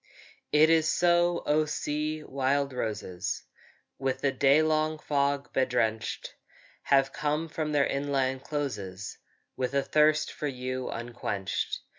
It is so, O sea! wild roses, With the day long fog bedrenched, Have come from their inland closes With a thirst for you unquenched.